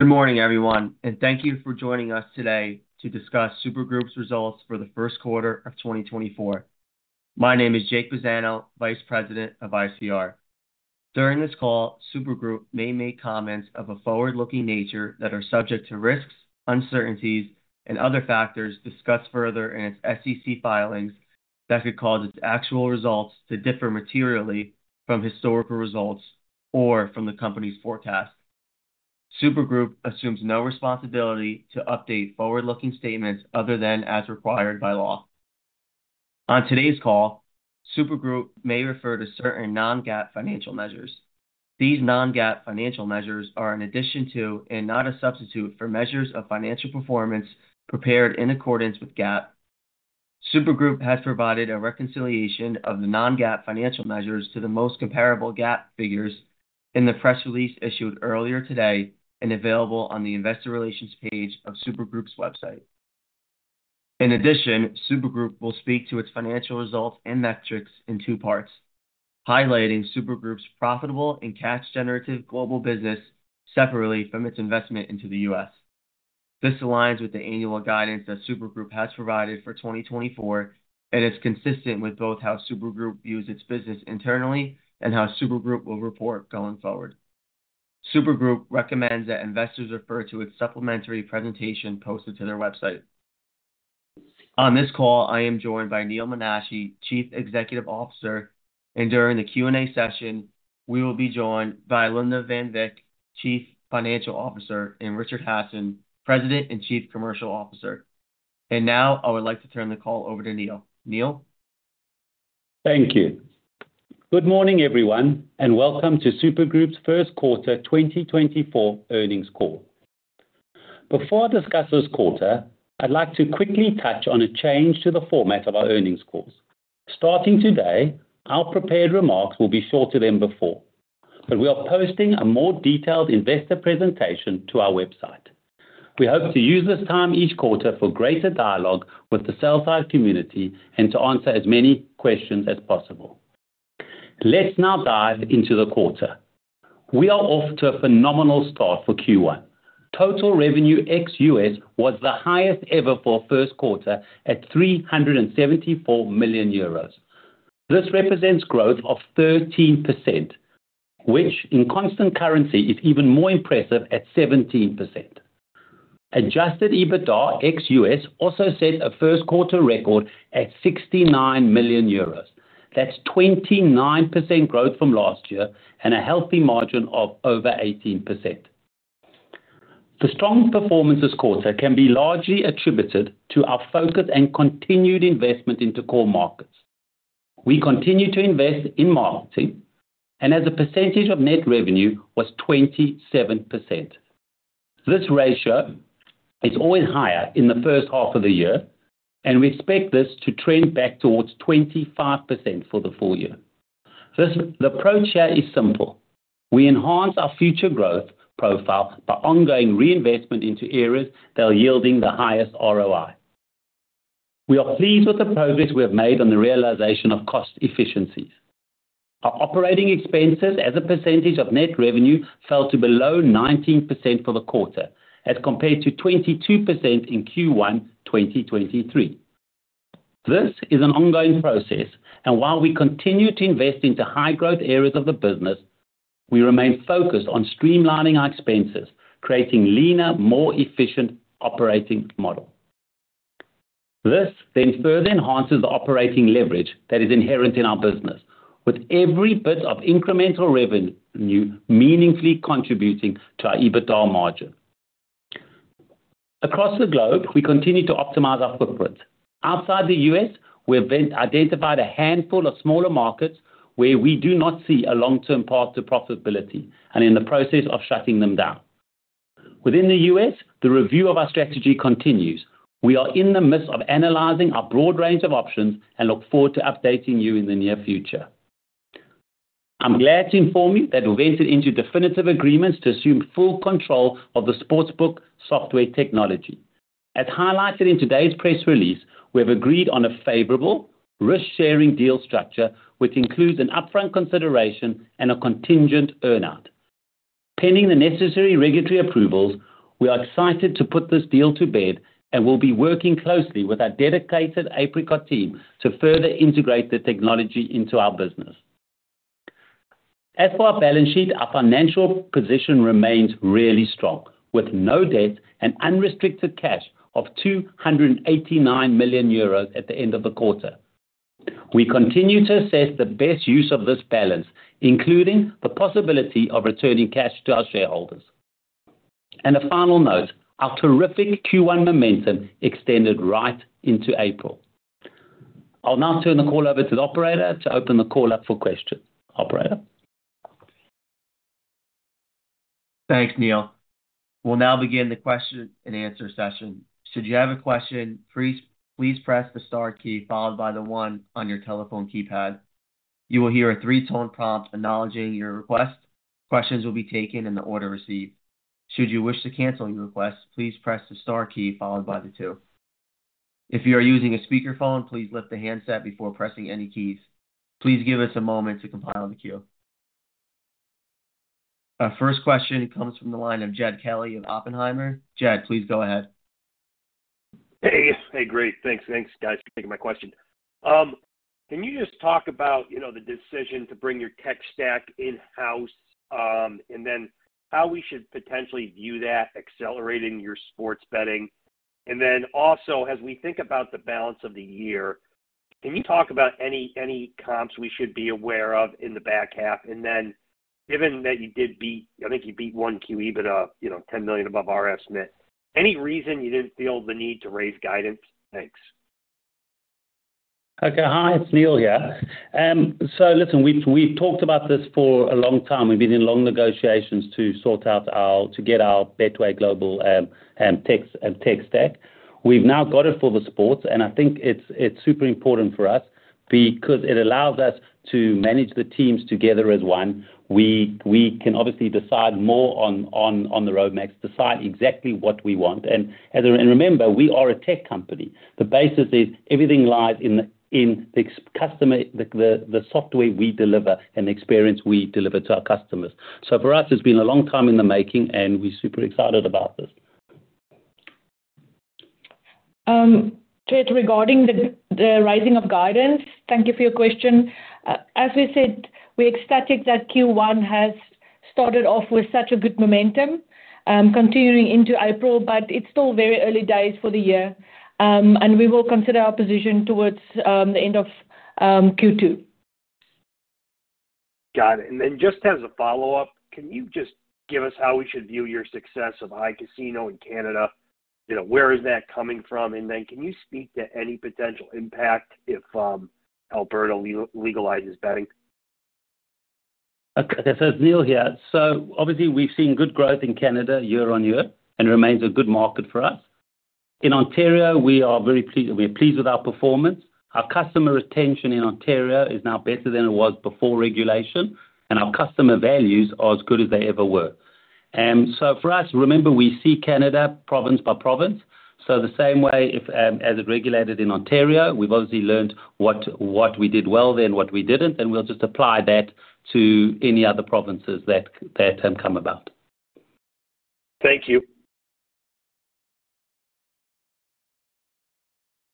Good morning, everyone, and thank you for joining us today to discuss Super Group's results for the Q1 of 2024. My name is Jake Buzano, Vice President of ICR. During this call, Super Group may make comments of a forward-looking nature that are subject to risks, uncertainties, and other factors discussed further in its SEC filings that could cause its actual results to differ materially from historical results or from the company's forecast. Super Group assumes no responsibility to update forward-looking statements other than as required by law. On today's call, Super Group may refer to certain non-GAAP financial measures. These non-GAAP financial measures are in addition to and not a substitute for measures of financial performance prepared in accordance with GAAP. Super Group has provided a reconciliation of the non-GAAP financial measures to the most comparable GAAP figures in the press release issued earlier today and available on the investor relations page of Super Group's website. In addition, Super Group will speak to its financial results and metrics in two parts, highlighting Super Group's profitable and cash-generative global business separately from its investment into the U.S. This aligns with the annual guidance that Super Group has provided for 2024 and is consistent with both how Super Group views its business internally and how Super Group will report going forward. Super Group recommends that investors refer to its supplementary presentation posted to their website. On this call, I am joined by Neal Menashe, Chief Executive Officer, and during the Q&A session, we will be joined by Alinda van Wyk, Chief Financial Officer, and Richard Hasson, President and Chief Commercial Officer. Now I would like to turn the call over to Neal. Neal? Thank you. Good morning, everyone, and welcome to Super Group's Q1 2024 earnings call. Before I discuss this quarter, I'd like to quickly touch on a change to the format of our earnings calls. Starting today, our prepared remarks will be shorter than before, but we are posting a more detailed investor presentation to our website. We hope to use this time each quarter for greater dialogue with the sell-side community and to answer as many questions as possible. Let's now dive into the quarter. We are off to a phenomenal start for Q1. Total revenue ex U.S. was the highest ever for Q1 at 374 million euros. This represents growth of 13%, which in constant currency is even more impressive at 17%. Adjusted EBITDA ex U.S. also set a Q1 record at 69 million euros. That's 29% growth from last year and a healthy margin of over 18%. The strong performance this quarter can be largely attributed to our focus and continued investment into core markets. We continue to invest in marketing, and as a percentage of net revenue was 27%. This ratio is always higher in the first half of the year, and we expect this to trend back towards 25% for the full year. The approach here is simple: we enhance our future growth profile by ongoing reinvestment into areas that are yielding the highest ROI. We are pleased with the progress we have made on the realization of cost efficiencies. Our operating expenses as a percentage of net revenue fell to below 19% for the quarter, as compared to 22% in Q1 2023. This is an ongoing process, and while we continue to invest into high-growth areas of the business, we remain focused on streamlining our expenses, creating a leaner, more efficient operating model. This then further enhances the operating leverage that is inherent in our business, with every bit of incremental revenue meaningfully contributing to our EBITDA margin. Across the globe, we continue to optimize our footprint. Outside the U.S., we have identified a handful of smaller markets where we do not see a long-term path to profitability and are in the process of shutting them down. Within the U.S., the review of our strategy continues. We are in the midst of analyzing our broad range of options and look forward to updating you in the near future. I'm glad to inform you that we have entered into definitive agreements to assume full control of the sportsbook software technology. As highlighted in today's press release, we have agreed on a favorable, risk-sharing deal structure which includes an upfront consideration and a contingent earnout. Pending the necessary regulatory approvals, we are excited to put this deal to bed and will be working closely with our dedicated Apricot team to further integrate the technology into our business. As for our balance sheet, our financial position remains really strong, with no debt and unrestricted cash of 289 million euros at the end of the quarter. We continue to assess the best use of this balance, including the possibility of returning cash to our shareholders. And a final note: our terrific Q1 momentum extended right into April. I'll now turn the call over to the operator to open the call up for questions. Operator? Thanks, Neal. We'll now begin the question-and-answer session. Should you have a question, please press the star key followed by the one on your telephone keypad. You will hear a three-tone prompt acknowledging your request. Questions will be taken in the order received. Should you wish to cancel your request, please press the star key followed by the two. If you are using a speakerphone, please lift the handset before pressing any keys. Please give us a moment to compile the queue. Our first question comes from the line of Jed Kelly of Oppenheimer. Jed, please go ahead. Hey, great. Thanks, guys, for taking my question. Can you just talk about the decision to bring your tech stack in-house and then how we should potentially view that accelerating your sports betting? And then, as we think about the balance of the year, can you talk about any comps we should be aware of in the back half? And then, given that you did beat—I think you beat one QE, but 10 million above our estimates—any reason you didn't feel the need to raise guidance? Thanks. Okay, hi, it's Neal here. So listen, we've talked about this for a long time. We've been in long negotiations to get our Betway Global Tech Stack. We've now got it for the sports, and I think it's super important for us because it allows us to manage the teams together as one. We can obviously decide more on the roadmaps, decide exactly what we want. And remember, we are a tech company. The basis is everything lies in the customer, the software we deliver and the experience we deliver to our customers. So for us, it's been a long time in the making, and we're super excited about this. Jed, regarding the raising of guidance, thank you for your question. As we said, we're ecstatic that Q1 has started off with such a good momentum, continuing into April, but it's still very early days for the year, and we will consider our position towards the end of Q2. Got it. And then just as a follow-up, can you just give us how we should view your success in iCasino in Canada? Where is that coming from? And then can you speak to any potential impact if Alberta legalizes betting? Okay, so it's Neal here. So obviously, we've seen good growth in Canada year on year and remains a good market for us. In Ontario, we are very pleased, we are pleased with our performance. Our customer retention in Ontario is now better than it was before regulation, and our customer values are as good as they ever were. So for us, remember, we see Canada province by province. So the same way, as it regulated in Ontario, we've obviously learned what we did well there and what we didn't, and we'll just apply that to any other provinces that come about. Thank you.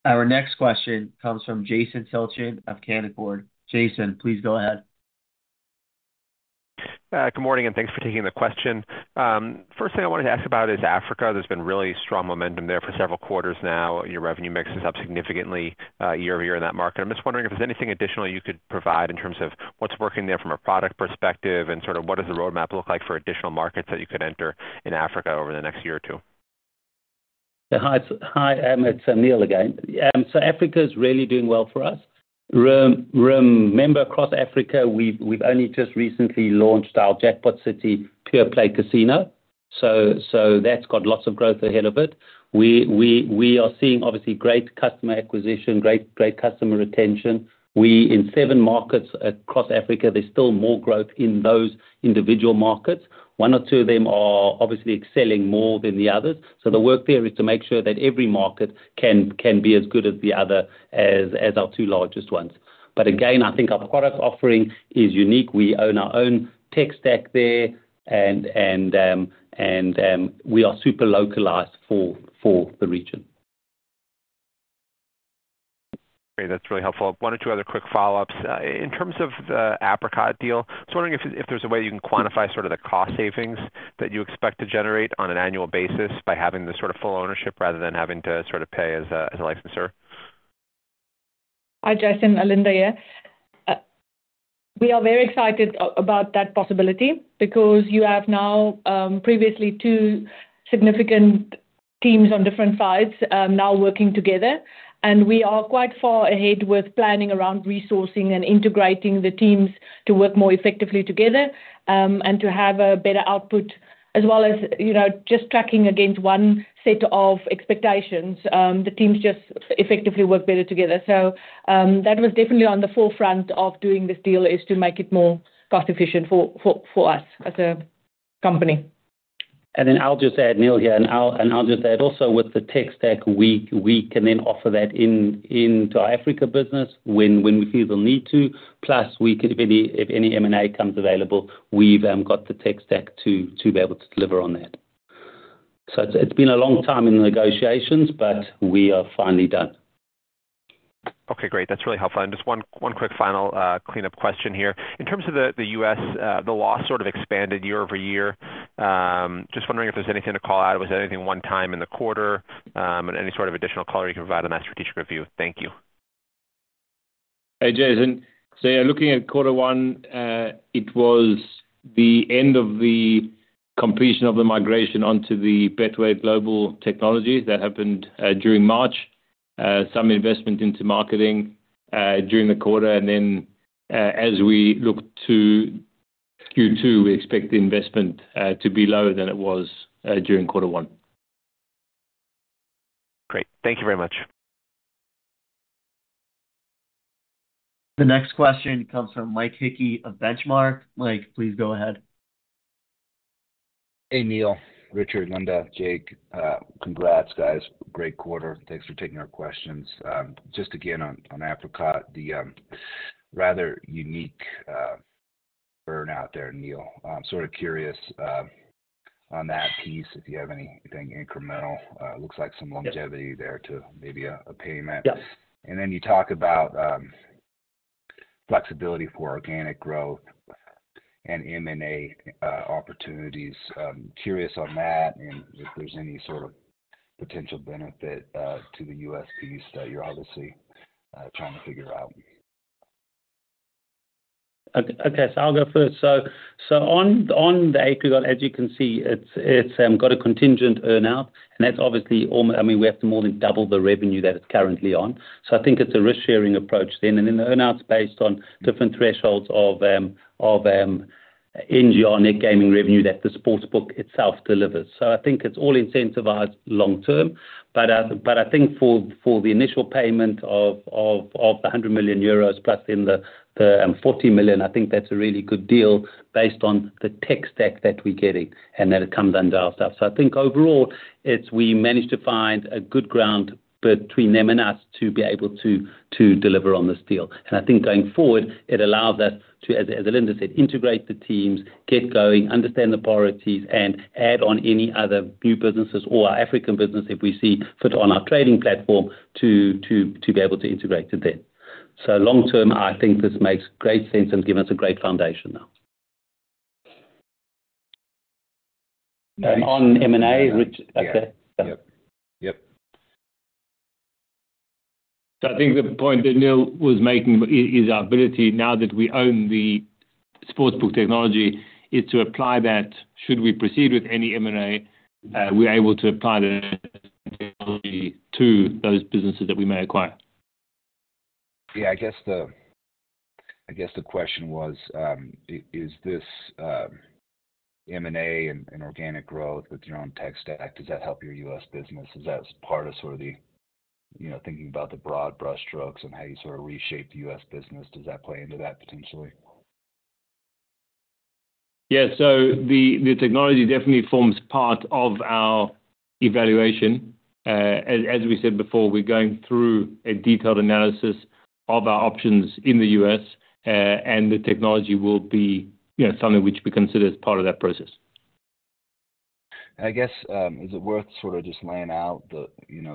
Our next question comes from Jason Tilchen of Canaccord Genuity. Jason, please go ahead. Good morning, and thanks for taking the question. First thing I wanted to ask about is Africa. There's been really strong momentum there for several quarters now. Your revenue mix is up significantly year-over-year in that market. I'm just wondering if there's anything additional you could provide in terms of what's working there from a product perspective and sort of what does the roadmap look like for additional markets that you could enter in Africa over the next year or two? Hi, it's Neal again. So Africa is really doing well for us. Remember, across Africa, we've only just recently launched our Jackpot City Pure Play Casino, so that's got lots of growth ahead of it. We are seeing, obviously, great customer acquisition, great customer retention. In seven markets across Africa, there's still more growth in those individual markets. One or two of them are obviously excelling more than the others. So the work there is to make sure that every market can be as good as the other as our two largest ones. But again, I think our product offering is unique. We own our own tech stack there, and we are super localized for the region. Great, that's really helpful. One or two other quick follow-ups. In terms of the Apricot deal, just wondering if there's a way you can quantify sort of the cost savings that you expect to generate on an annual basis by having the sort of full ownership rather than having to sort of pay as a licensor? Hi, Jason. Alinda here. We are very excited about that possibility because you have now previously two significant teams on different sides now working together, and we are quite far ahead with planning around resourcing and integrating the teams to work more effectively together and to have a better output. As well as just tracking against one set of expectations, the teams just effectively work better together. So that was definitely on the forefront of doing this deal is to make it more cost-efficient for us as a company. And then I'll just add, Neal here, and I'll just add also with the tech stack, we can then offer that into our Africa business when we feel the need to. Plus, if any M&A comes available, we've got the tech stack to be able to deliver on that. So it's been a long time in the negotiations, but we are finally done. Okay, great. That's really helpful. Just one quick final cleanup question here. In terms of the U.S., the loss sort of expanded year-over-year. Just wondering if there's anything to call out. Was there anything one-time in the quarter? And any sort of additional color you can provide on that strategic review. Thank you. Hey, Jason. So looking at quarter one, it was the end of the completion of the migration onto the Betway Global Technologies. That happened during March. Some investment into marketing during the quarter, and then as we look to Q2, we expect the investment to be lower than it was during quarter one. Great. Thank you very much. The next question comes from Mike Hickey of Benchmark. Mike, please go ahead. Hey, Neal, Richard, Alinda, Jake. Congrats, guys. Great quarter. Thanks for taking our questions. Just again on Apricot, the rather unique earnout there, Neal. Sort of curious on that piece if you have anything incremental. Looks like some longevity there to maybe a payment. And then you talk about flexibility for organic growth and M&A opportunities. Curious on that and if there's any sort of potential benefit to the U.S. piece that you're obviously trying to figure out. Okay, so I'll go first. So on the Apricot, as you can see, it's got a contingent earnout, and that's obviously all I mean, we have to more than double the revenue that it's currently on. So I think it's a risk-sharing approach then. And then the earnout's based on different thresholds of NGR net gaming revenue that the sportsbook itself delivers. So I think it's all incentivized long-term. But I think for the initial payment of the 100 million euros plus then the 40 million, I think that's a really good deal based on the tech stack that we're getting and that it comes under our stuff. So I think overall, we managed to find a good ground between them and us to be able to deliver on this deal. I think going forward, it allows us to, as Alinda said, integrate the teams, get going, understand the priorities, and add on any other new businesses or our African business if we see fit on our trading platform to be able to integrate to them. Long-term, I think this makes great sense and gives us a great foundation now. On M&A, Richard, that's it? Yep. So I think the point that Neal was making is our ability now that we own the sportsbook technology is to apply that should we proceed with any M&A, we're able to apply the technology to those businesses that we may acquire. Yeah, I guess the question was, is this M&A and organic growth with your own tech stack, does that help your U.S. business? Is that part of sort of the thinking about the broad brushstrokes and how you sort of reshape the U.S. business? Does that play into that potentially? Yeah, so the technology definitely forms part of our evaluation. As we said before, we're going through a detailed analysis of our options in the U.S., and the technology will be something which we consider as part of that process. I guess, is it worth sort of just laying out the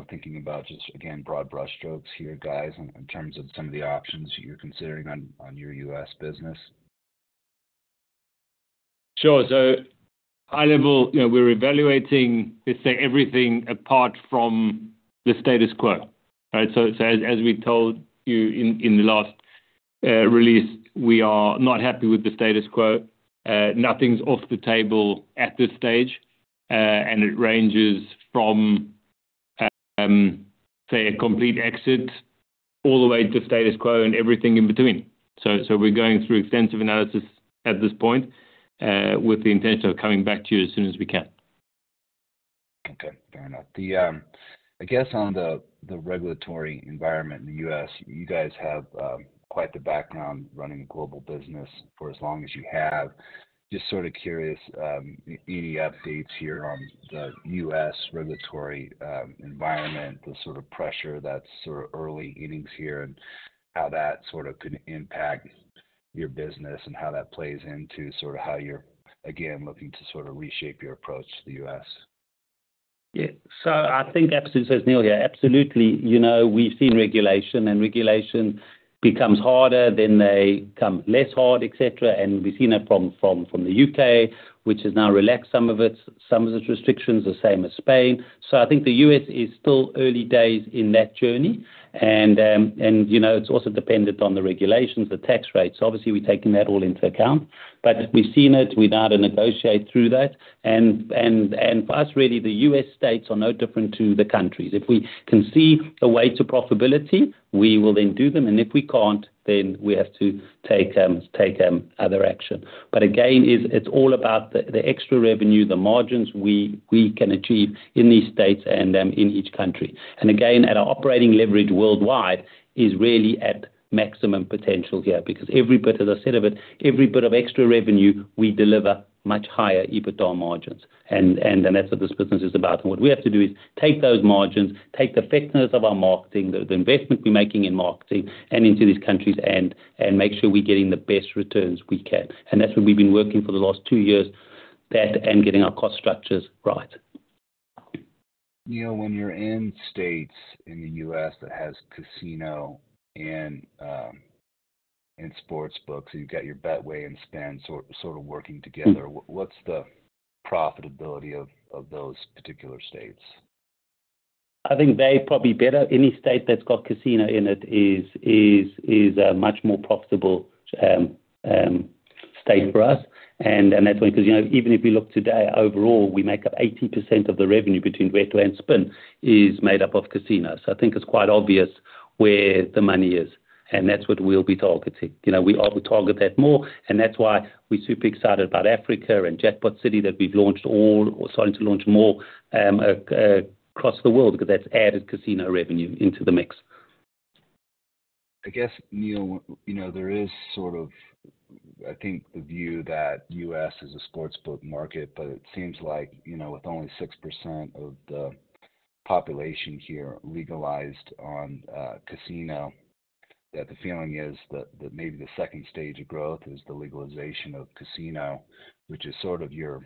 thinking about just, again, broad brushstrokes here, guys, in terms of some of the options you're considering on your U.S. business? Sure. So high level, we're evaluating everything apart from the status quo, right? So as we told you in the last release, we are not happy with the status quo. Nothing's off the table at this stage, and it ranges from, say, a complete exit all the way to status quo and everything in between. So we're going through extensive analysis at this point with the intention of coming back to you as soon as we can. Okay, fair enough. I guess on the regulatory environment in the U.S., you guys have quite the background running a global business for as long as you have. Just sort of curious, any updates here on the U.S. regulatory environment, the sort of pressure that's sort of early innings here, and how that sort of could impact your business and how that plays into sort of how you're, again, looking to sort of reshape your approach to the U.S.? Yeah, so I think absolutely, as Neal here, absolutely. We've seen regulation, and regulation becomes harder than they come less hard, etc. And we've seen it from the U.K., which has now relaxed some of its restrictions, the same as Spain. So I think the U.S. is still early days in that journey, and it's also dependent on the regulations, the tax rates. Obviously, we're taking that all into account, but we've seen it. We've had to negotiate through that. And for us, really, the U.S. states are no different to the countries. If we can see a way to profitability, we will then do them. And if we can't, then we have to take other action. But again, it's all about the extra revenue, the margins we can achieve in these states and in each country. And again, our operating leverage worldwide is really at maximum potential here because every bit, as I said of it, every bit of extra revenue, we deliver much higher EBITDA margins. And that's what this business is about. And what we have to do is take those margins, take the effectiveness of our marketing, the investment we're making in marketing, and into these countries, and make sure we're getting the best returns we can. And that's what we've been working for the last two years, that and getting our cost structures right. Neal, when you're in states in the U.S. that has casino and sportsbooks, and you've got your Betway and Spin sort of working together, what's the profitability of those particular states? I think they're probably better. Any state that's got casino in it is a much more profitable state for us. And that's why, because even if we look today, overall, we make up 80% of the revenue between Betway and Spin is made up of casino. So I think it's quite obvious where the money is, and that's what we'll be targeting. We'll target that more, and that's why we're super excited about Africa and Jackpot City that we've launched all or starting to launch more across the world because that's added casino revenue into the mix. I guess, Neal, there is sort of, I think, the view that the U.S. is a sportsbook market, but it seems like with only 6% of the population here legalized on casino, that the feeling is that maybe the second stage of growth is the legalization of casino, which is sort of your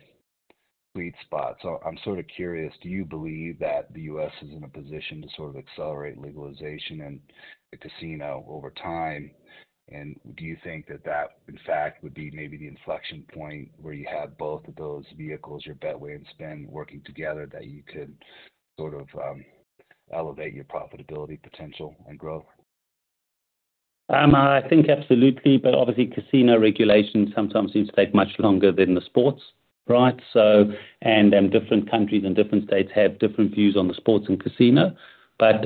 sweet spot. So I'm sort of curious, do you believe that the U.S. is in a position to sort of accelerate legalization and the casino over time? And do you think that that, in fact, would be maybe the inflection point where you have both of those vehicles, your Betway and Spin, working together that you could sort of elevate your profitability potential and growth? I think absolutely, but obviously, casino regulation sometimes seems to take much longer than the sports, right? And different countries and different states have different views on the sports and casino. But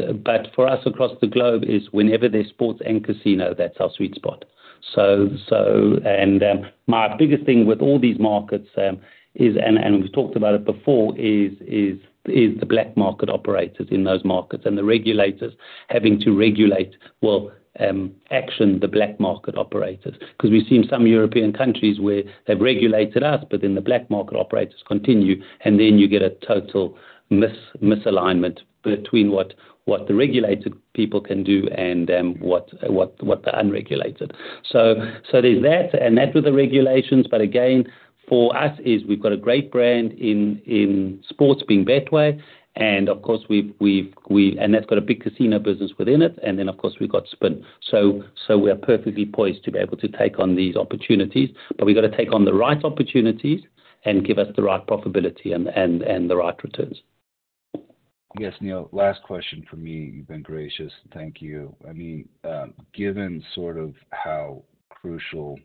for us across the globe, it's whenever there's sports and casino, that's our sweet spot. And my biggest thing with all these markets is, and we've talked about it before, is the black market operators in those markets and the regulators having to regulate, well, action the black market operators because we've seen some European countries where they've regulated us, but then the black market operators continue, and then you get a total misalignment between what the regulated people can do and what the unregulated. So there's that and that with the regulations. But again, for us, we've got a great brand in sports being Betway, and of course, we've and that's got a big casino business within it. And then, of course, we've got Spin. So we are perfectly poised to be able to take on these opportunities, but we've got to take on the right opportunities and give us the right profitability and the right returns. I guess, Neal, last question for me. You've been gracious. Thank you. I mean, given sort of how crucial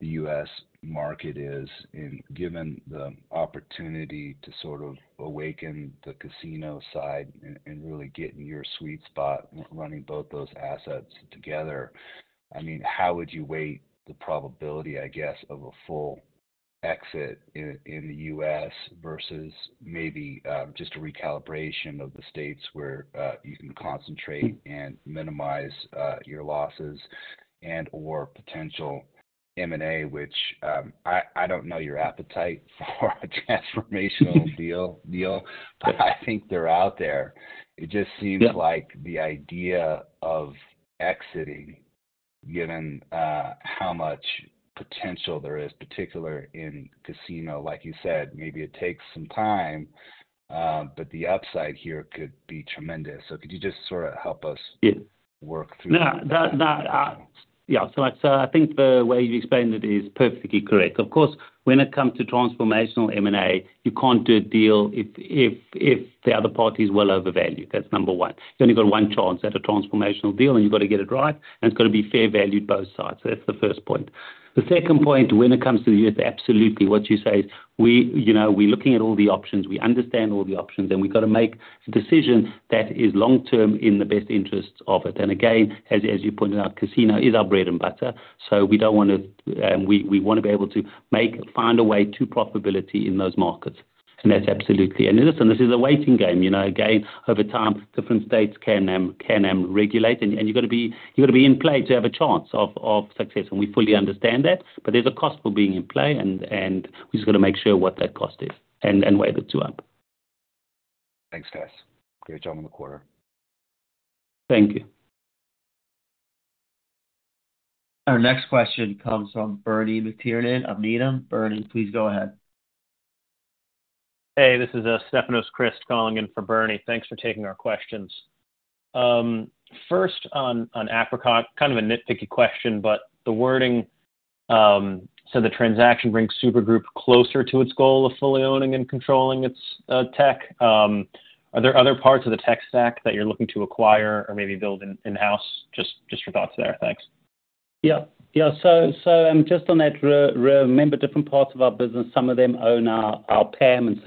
the U.S. market is and given the opportunity to sort of awaken the casino side and really getting your sweet spot, running both those assets together, I mean, how would you weight the probability, I guess, of a full exit in the U.S. versus maybe just a recalibration of the states where you can concentrate and minimize your losses and/or potential M&A, which I don't know your appetite for a transformational deal, Neal, but I think they're out there. It just seems like the idea of exiting, given how much potential there is, particularly in casino, like you said, maybe it takes some time, but the upside here could be tremendous. So could you just sort of help us work through that? Yeah. So I think the way you've explained it is perfectly correct. Of course, when it comes to transformational M&A, you can't do a deal if the other party is well overvalued. That's number one. You only got one chance at a transformational deal, and you've got to get it right, and it's got to be fair valued both sides. So that's the first point. The second point, when it comes to the U.S., absolutely, what you say is we're looking at all the options. We understand all the options, and we've got to make a decision that is long-term in the best interests of it. And again, as you pointed out, casino is our bread and butter. So we don't want to we want to be able to find a way to profitability in those markets. And that's absolutely. And listen, this is a waiting game. Again, over time, different states can regulate, and you've got to be in play to have a chance of success. We fully understand that, but there's a cost for being in play, and we've just got to make sure what that cost is and weigh the two up. Thanks, guys. Great job on the quarter. Thank you. Our next question comes from Bernie McTernan of Needham. Bernie, please go ahead. Hey, this is Stefanos Crist calling in for Bernie. Thanks for taking our questions. First on Apricot, kind of a nitpicky question, but the wording said the transaction brings Super Group closer to its goal of fully owning and controlling its tech. Are there other parts of the tech stack that you're looking to acquire or maybe build in-house? Just your thoughts there. Thanks. Yeah. Yeah. So just on that, remember, different parts of our business, some of them own our PAM and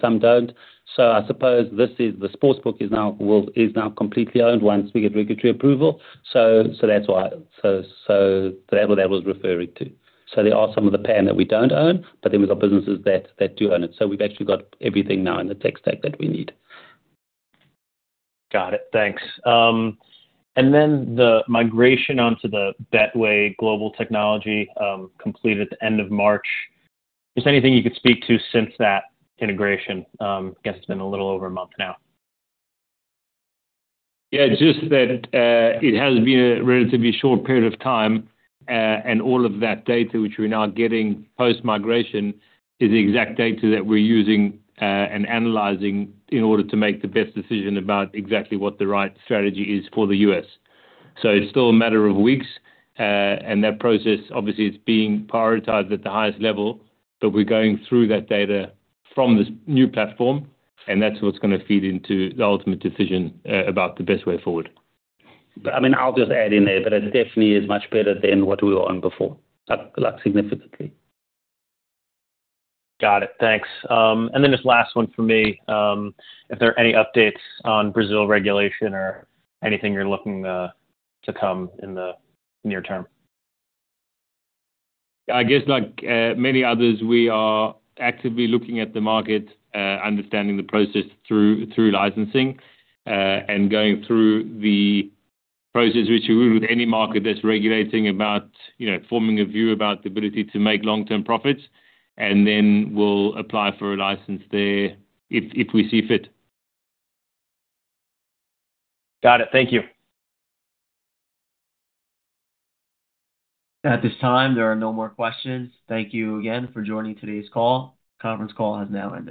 some don't. So I suppose this is the sportsbook is now completely owned once we get regulatory approval. So that's why that was referring to. So there are some of the PAM that we don't own, but then there's our businesses that do own it. So we've actually got everything now in the tech stack that we need. Got it. Thanks. And then the migration onto the Betway global technology completed at the end of March. Just anything you could speak to since that integration? I guess it's been a little over a month now. Yeah, just that it has been a relatively short period of time, and all of that data which we're now getting post-migration is the exact data that we're using and analyzing in order to make the best decision about exactly what the right strategy is for the U.S. So it's still a matter of weeks, and that process, obviously, it's being prioritized at the highest level, but we're going through that data from this new platform, and that's what's going to feed into the ultimate decision about the best way forward. But I mean, I'll just add in there, but it definitely is much better than what we were on before, significantly. Got it. Thanks. And then just last one for me, if there are any updates on Brazil regulation or anything you're looking to come in the near term? I guess, like many others, we are actively looking at the market, understanding the process through licensing, and going through the process which we would with any market that's regulating, forming a view about the ability to make long-term profits, and then we'll apply for a license there if we see fit. Got it. Thank you. At this time, there are no more questions. Thank you again for joining today's call. Conference call has now ended.